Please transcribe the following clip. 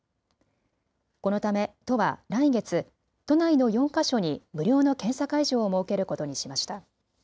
このため都は来月、都内の４か所に無料の検査会場を設けることにしました。